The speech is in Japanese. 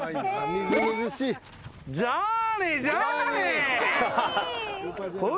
みずみずしそう。